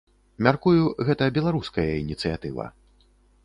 Мяркую, гэта беларуская ініцыятыва.